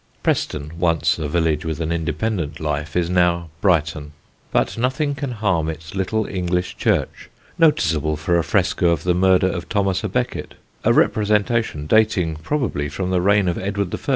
Preston, once a village with an independent life, is now Brighton; but nothing can harm its little English church, noticeable for a fresco of the murder of Thomas à Becket, a representation dating probably from the reign of Edward I.